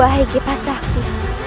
wahai gipas sakti